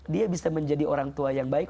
dia bisa menjadi orang tua yang baik